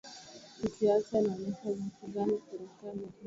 kisiasa inaonyesha jinsi gani serikali ya tunisia